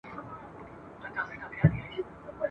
د مېچني په څېر ګرځېدی چالان وو ..